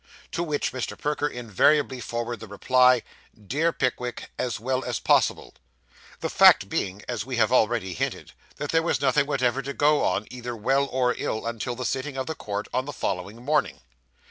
to which Mr. Perker invariably forwarded the reply, 'Dear Pickwick. As well as possible'; the fact being, as we have already hinted, that there was nothing whatever to go on, either well or ill, until the sitting of the court on the following morning.